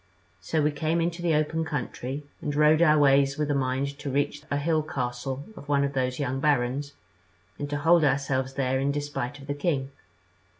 So we came into the open country, and rode our ways with the mind to reach a hill castle of one of those young barons, and to hold ourselves there in despite of the king.